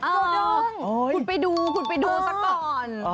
คุณไปดูคุณไปดูสักตอน